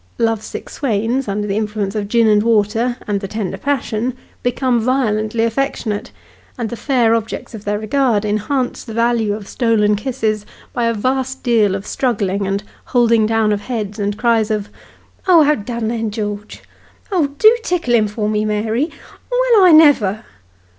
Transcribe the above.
Love sick swains, under the influence of gin and water, and the tender passion, become violently affectionate : and the fair objects of their regard enhance the value of stolen kisses, by a vast deal of struggling, and holding down of heads, and cries of " Oh ! Ha' done, then, George Oh, do tickle him for me, Mary Well, I never